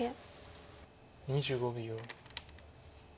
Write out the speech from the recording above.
２５秒。